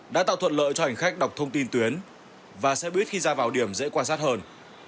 đã tạo thuận lợi cho hành khách đọc thông tin tuyến và xe buýt khi ra vào điểm dễ quan sát hơn